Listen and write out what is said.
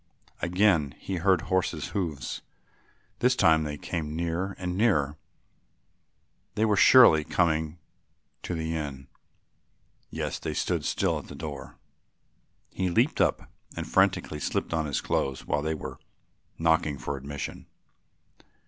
Again he heard horses' hoofs; this time they came nearer and nearer, they were surely coming to the inn. Yes, they had stood still at the door. He leaped up and frantically slipped on his clothes, while they were knocking for admission.